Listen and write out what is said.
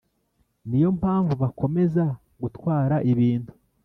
Ni yo mpamvu bakomeza gutwara ibintu